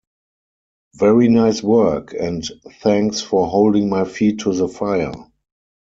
Very nice work, and thanks for holding my feet to the fire.